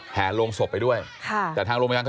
อ่าเดี๋ยวท่านลองดูครับ